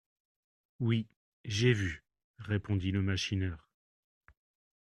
Oui, j'ai vu, répondit le machineur.